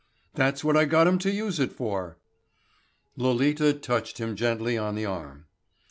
That's what I got 'em to use it for." Lolita touched him gently on the arm.